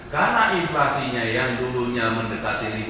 karena inflasinya yang dulunya mendekati lima